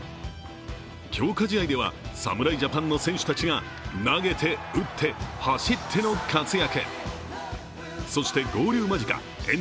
強化試合では侍ジャパンの選手たちが投げて打って走っての活躍。